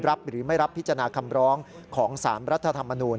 หรือไม่รับพิจารณาคำร้องของ๓รัฐธรรมนูล